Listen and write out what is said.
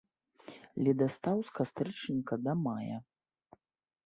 Ледастаў з кастрычніка да мая.